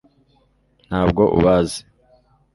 ntabwo ubazi